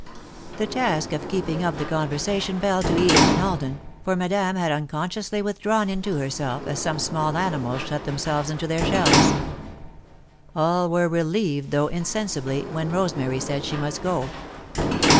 The task of keeping up the conversation fell to Edith and Alden, for Madame had unconsciously withdrawn into herself as some small animals shut themselves into their shells. All were relieved, though insensibly, when Rosemary said she must go.